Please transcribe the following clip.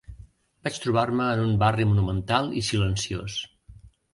Vaig trobar-me en un barri monumental i silenciós